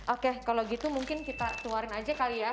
oke kalau gitu mungkin kita keluarin aja kali ya